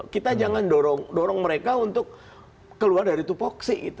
kita jangan dorong mereka untuk keluar dari tupoksi